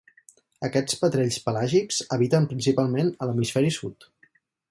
Aquests petrells pelàgics habiten principalment a l'Hemisferi Sud.